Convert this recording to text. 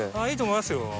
いいと思いますよ。